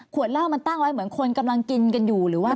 เหล้ามันตั้งไว้เหมือนคนกำลังกินกันอยู่หรือว่า